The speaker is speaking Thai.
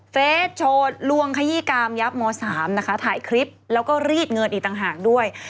เฟสโชว์ลวงขยี้กามยับม๓นะคะถ่ายคลิปแล้วก็รีดเงินอีกต่างหากด้วย